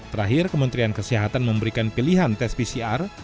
terakhir kementerian kesehatan memberikan pilihan tes pcr